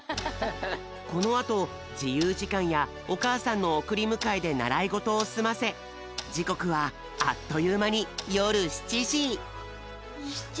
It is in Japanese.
このあとじゆうじかんやおかあさんのおくりむかえでならいごとをすませじこくはあっというまによる７じ。